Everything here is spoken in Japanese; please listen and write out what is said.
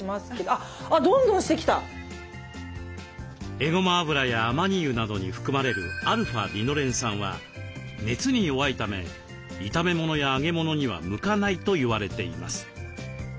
えごま油やあまに油などに含まれるα−リノレン酸は熱に弱いため炒め物や揚げ物には向かないと言われています。